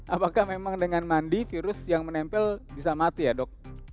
apakah memang dengan mandi virus yang menempel bisa mati ya dok